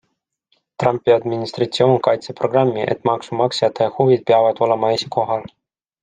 Trumpi administratsioon kaitseb programmi, et maksumaksjate huvid peavad olema esikohal.